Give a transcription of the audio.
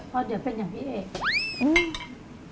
เพราะเดี๋ยวเป็นอย่างพี่เอก